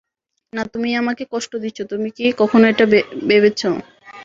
না তুমিই আমাকে কষ্ট দিচ্ছ, তুমি কি কখনও এটা ভেবেছ?